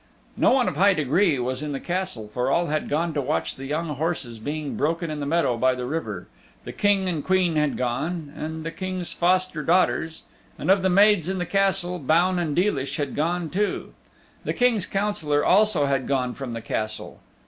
No one of high degree was in the Castle, for all had gone to watch the young horses being broken in the meadow by the river; the King and Queen had gone, and the King's foster daughters; and of the maids in the Castle, Baun and Deelish had gone too. The King's Councillor also had gone from the Castle.